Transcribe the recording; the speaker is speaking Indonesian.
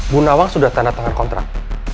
bu nawang sudah tanda tangan kontrak